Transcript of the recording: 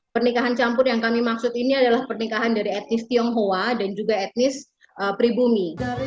pernikahan campur yang kami maksud ini adalah pernikahan dari etnis tionghoa dan juga etnis pribumi